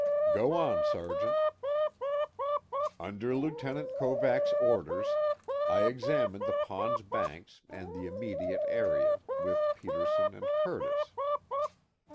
_ "Go on, Sergeant." "Under Lieutenant Kovacs' orders, I examined the pond's banks and the immediate area, with Peterson and Curtis.